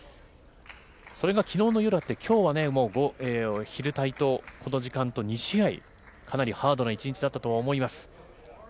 それがきのうの夜で、きょうはもう昼帯とこの時間と２試合、かなりハードな一日だったとは思います。